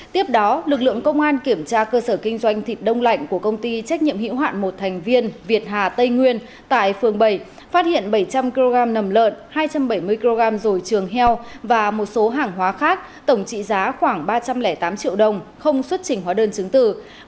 tiếp đó lực lượng công an kiểm tra cơ sở kinh doanh thịt đông lạnh của công ty trách nhiệm hữu hoạn một thành viên việt hà tây nguyên tại phường bảy phát hiện bảy trăm linh kg nầm lợn hai trăm bảy mươi kg rồi trường heo và một số hàng hóa khác tổng trị giá khoảng ba trăm linh tám triệu đồng không xuất trình hóa đơn chứng từ